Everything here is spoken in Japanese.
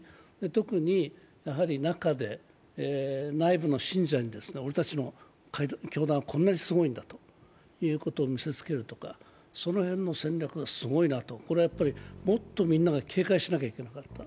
特に中で内部の信者に、俺たちの教団はこんなにすごいんだということを見せつけるとか、その辺の戦略はすごいなと、これはもっとみんなが警戒しなきゃいけなかった。